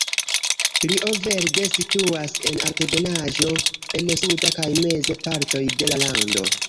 Rio Verde situas en altebenaĵo en suda kaj meza partoj de la lando.